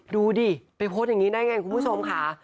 ดูดิไปโพสต์อย่างนี้ได้ไงคุณผู้ชมค่ะ